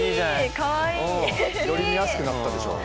かわいい！より見やすくなったでしょう。